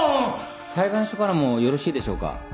裁判所からもよろしいでしょうか。